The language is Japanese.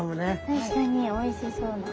確かにおいしそうな。